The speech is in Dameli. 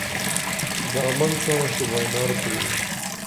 دامن ساں شوبائیں نار کُریمہ